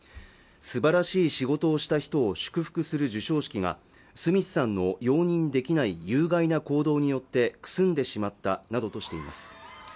すばらしい仕事をした人を祝福する授賞式がスミスさんの容認できない有害な行動によってくすんでしまったなどとしています